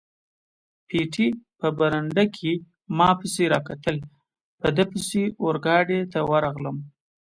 پېټی په برنډه کې ما پسې را کتل، په ده پسې اورګاډي ته ورغلم.